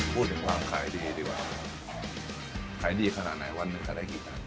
พูดถึงความขายดีดีกว่าขายดีขนาดไหนวันหนึ่งจะได้กี่ตัน